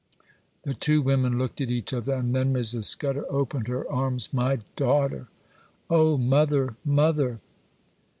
The two women looked at each other, and then Mrs. Scudder opened her arms. 'My daughter!' 'Oh! mother! mother!